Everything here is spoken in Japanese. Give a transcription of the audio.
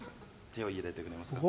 手を入れてくれますか？